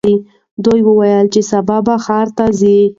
دوی وویل چې سبا به ښار ته ځي.